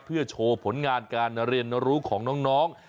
เพื่อโชว์ผลงานการเรียนรู้ของน้อง